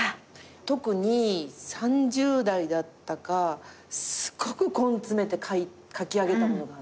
特に３０代だったかすごく根詰めて書き上げたものがあるの。